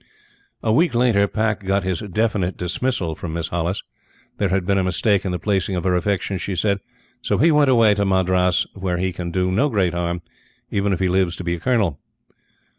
A week later, Pack got his definite dismissal from Miss Hollis. There had been a mistake in the placing of her affections, she said. So he went away to Madras, where he can do no great harm even if he lives to be a Colonel.